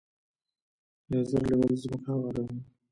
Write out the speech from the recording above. لیزر لیول ځمکه هواروي.